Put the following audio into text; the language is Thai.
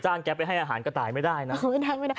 แก๊ปไปให้อาหารกระต่ายไม่ได้นะ